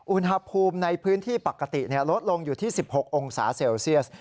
อุณหภูมิในพื้นที่ปกติลดลงอยู่ที่๑๖องศาเซลเซียส